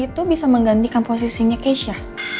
itu bisa menggantikan posisinya keisha